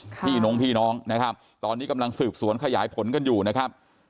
พี่น้องพี่น้องนะครับตอนนี้กำลังสืบสวนขยายผลกันอยู่นะครับ